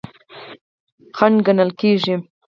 خنډ ګڼل کیږي.